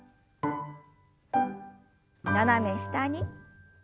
斜め下に。